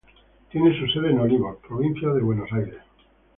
Tiene su sede en Olivos, Provincia de Buenos Aires.